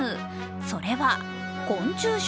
それは、昆虫食。